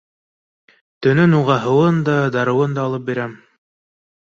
Төнөн уға һыуын да, дарыуын да алып бирәм.